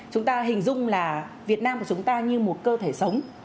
chúng ta hình dung là việt nam của chúng ta như một cơ thể sống